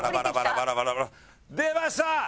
出ました！